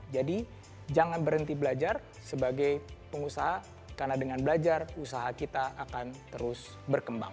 jadi jangan berhenti belajar sebagai pengusaha karena dengan belajar usaha kita akan terus berkembang